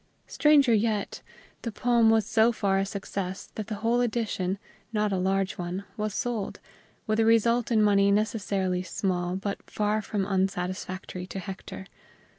Stranger yet, the poem was so far a success that the whole edition, not a large one, was sold, with a result in money necessarily small but far from unsatisfactory to Hector.